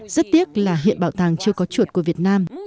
rất tiếc là hiện bảo tàng chưa có chuột của việt nam